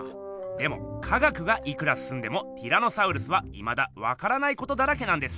でも科学がいくらすすんでもティラノサウルスはいまだわからないことだらけなんです。